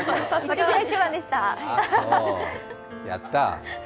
やった！